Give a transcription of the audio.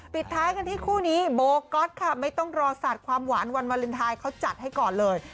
ปิดท้ายกันที่คู่นี้โบก๊อตค่ะไม่ต้องรอสาดความหวานวันวาเลนไทยเขาจัดให้ก่อนเลย